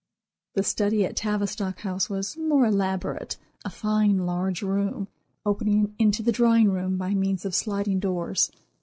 The study at Tavistock House was more elaborate; a fine large room, opening into the drawing room by means of sliding doors.